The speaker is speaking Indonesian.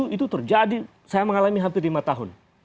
itu terjadi saya mengalami hampir lima tahun